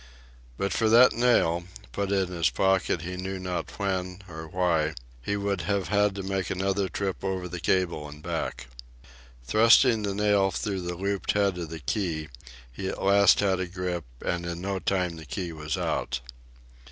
But for that nail, put in his pocket he knew not when or why, he would have had to make another trip over the cable and back. Thrusting the nail through the looped head of the key, he at last had a grip, and in no time the key was out.